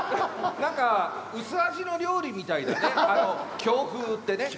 何か薄味の料理みたいだね強風ってね。